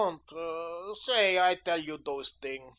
Budt, say, I tell you dose ting.